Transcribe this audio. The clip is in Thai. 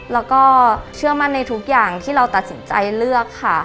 แล้วก็เชื่อมั่นในทุกอย่างที่เราตัดสินใจเลือกค่ะ